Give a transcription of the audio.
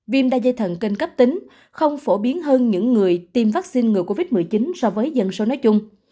viêm da dây thần kênh cấp tính không phổ biến hơn những người tiêm vaccine ngừa covid một mươi chín so với dân số nói chung